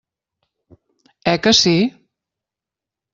Eh que sí?